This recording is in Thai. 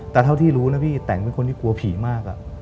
แต่เท่าที่รู้นะพี่แต่งเป็นคนที่กลัวผีมาก